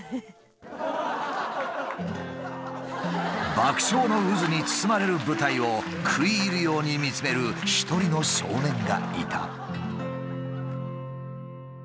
爆笑の渦に包まれる舞台を食い入るように見つめる一人の少年がいた。